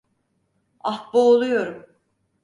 Ah, boğuluyorum.